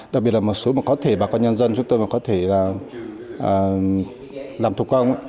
đặc biệt là một số mà có thể bà con nhân dân chúng tôi có thể làm thu công